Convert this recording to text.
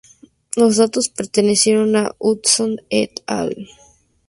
Los datos permitieron a Hudson et al.